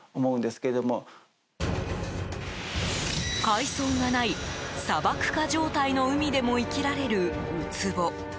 海藻がない砂漠化状態の海でも生きられるウツボ。